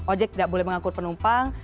ojek tidak boleh mengangkut penumpang